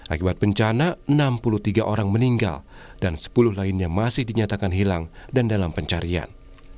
akibat bencana enam puluh tiga orang meninggal dan sepuluh lainnya masih dinyatakan hilang dan dalam pencarian